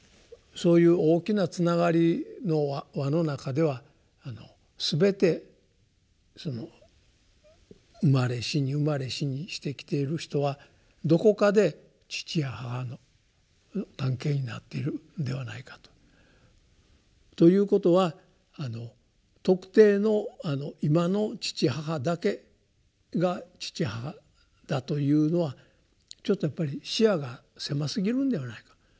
そういう大きなつながりの輪の中ではすべて生まれ死に生まれ死にしてきている人はどこかで父や母の関係になっているのではないかと。ということは特定の今の父母だけが父母だというのはちょっとやっぱり視野が狭すぎるんではないか。